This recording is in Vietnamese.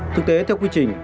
thực tế theo quy trình